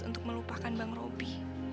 untuk melupakan bang robi